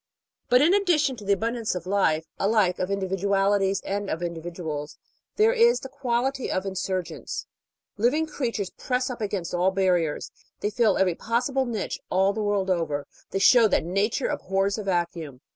But in addition to the abundance of life alike of individu alities and of individuals there is the quality of insurgence. Liv ing creatures press up against all barriers ; they fill every possible niche all the world over ; they show that Nature abhors a vacuum.